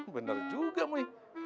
bener juga mi